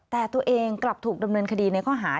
แต่ตัวเองกลับถูกดำเนินคดีในข้อหา